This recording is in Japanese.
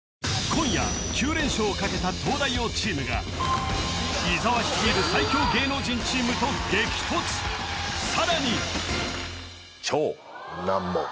今夜９連勝をかけた東大王チームが伊沢率いる最強芸能人チームと激突さらに